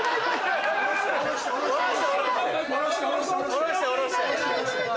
下ろして下ろして。